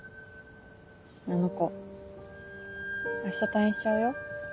あの子明日退院しちゃうよ。